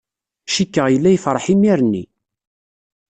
Cikkeɣ yella yefṛeḥ imir-nni.